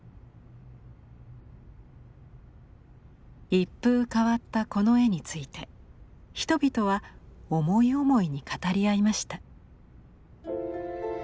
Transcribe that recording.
一風変わったこの絵について人々は思い思いに語り合いました。